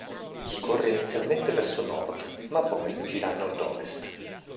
Scorre inizialmente verso nord, ma poi gira a nord-ovest.